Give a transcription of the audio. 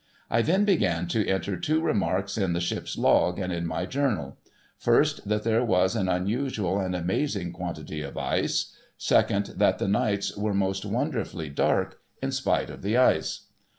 I then began to enter two remarks in the ship's Log and in my Journal ; first, that there was an unusual and amazing quantity of ice ; second, that the nights were most wonder fully dark, in spite of the ice.